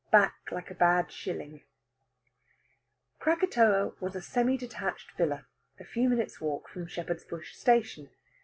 BACK LIKE A BAD SHILLING Krakatoa was a semi detached villa, a few minutes' walk from Shepherd's Bush Station.